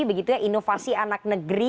begitunya inovasi anak negeri